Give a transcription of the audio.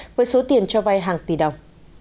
với số tiền cho vay hàng tỷ đồng